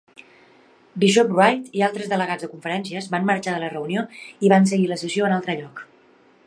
Bishop Wright i altres delegats de conferències van marxar de la reunió i van seguir la sessió a un altre lloc.